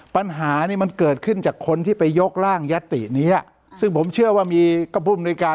ปัญหานี่มันเกิดขึ้นจากคนที่ไปยกร่างยัตตินี้ซึ่งผมเชื่อว่ามีก็ภูมิในการ